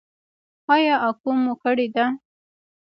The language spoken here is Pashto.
ایا اکو مو کړې ده؟